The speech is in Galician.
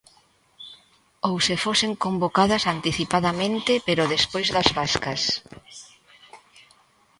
Ou se fosen convocadas anticipadamente pero despois das vascas.